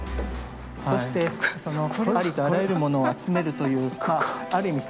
そしてそのありとあらゆるものを集めるというかある意味